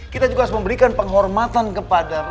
kita juga harus memberikan penghormatan kepada rakyat